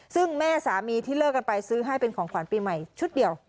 ซึ่งแม่สามีที่เลิกกันไปซื้อให้เป็นของขวัญปี